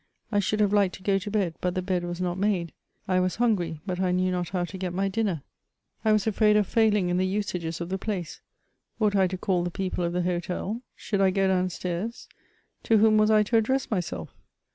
i should have liked to go to bed, but the bed wa» Aot made ; i was hungry, but I knew not how to get my dinner. I wisa 152 MEMOIRS OF afraid of failing in the usages of the place ; ought I to call the people of the hotel ? Should I go down stairs ? To whom was J to address myself?